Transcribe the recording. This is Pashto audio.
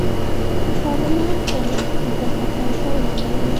پارلمان په ګټه پای ته ورسوله.